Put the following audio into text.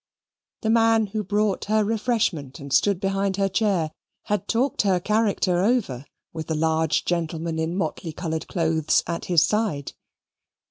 The man who brought her refreshment and stood behind her chair, had talked her character over with the large gentleman in motley coloured clothes at his side.